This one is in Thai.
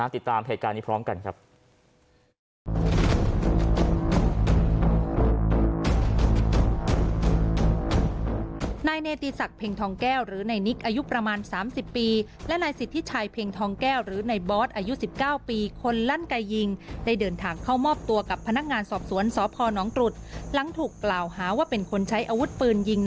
ติดตามถ่ายการนี้พร้อมกันครับ